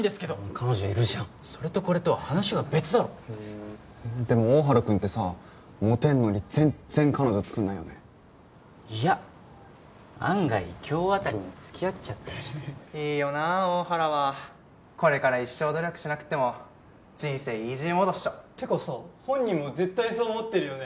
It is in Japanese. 彼女いるじゃんそれとこれとは話が別だろでも大原君ってさモテんのに全然彼女作んないよねいや案外今日辺りに付き合っちゃったりして・いいよな大原はこれから一生努力しなくても人生イージーモードっしょ・ってかさ本人も絶対そう思ってるよね